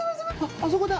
あそこだ！